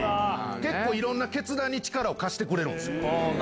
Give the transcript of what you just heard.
結構いろんな決断に力を貸してくれるんですよ。